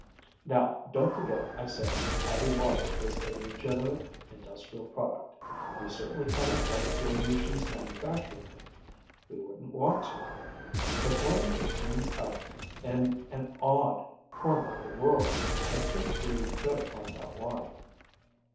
Now, don't forget I said heavy water is a legitimate industrial product. We certainly can't object to a nation's manufacturing it. We wouldn't want to. But when it turns up in an odd corner of the world, I think we'd better find out why.